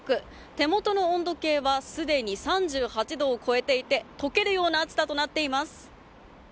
手元の温度計はすでに３８度を超えていて溶けるような暑さとなっています。